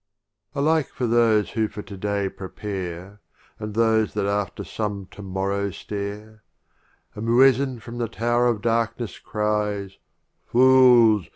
XXV. Alike for those who for To day prepare, And those that after some To mor row stare, A Muezzin from the Tower of Darkness cries, "Fools!